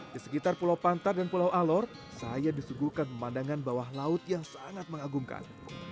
di sekitar pulau pantar dan pulau alor saya disuguhkan pemandangan bawah laut yang sangat mengagumkan